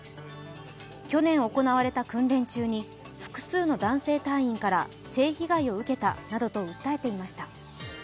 去年行われた訓練中に、複数の男性隊員から性被害を受けたなどと訴えていました。